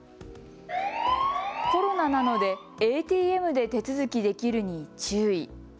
コロナなのでＡＴＭで手続きできるに注意。